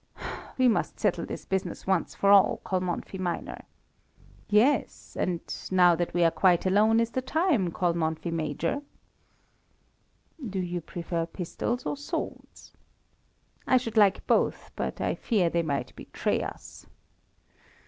"We must settle this business once for all, Kalmanffy minor." "Yes, and now that we are quite alone is the time, Kalmanffy major?" "Do you prefer pistols or swords?" "I should like both; but I fear they might betray us."